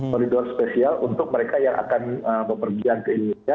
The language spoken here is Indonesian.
moridor spesial untuk mereka yang akan mempergian ke indonesia